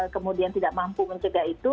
kemudian tidak mampu mencegah itu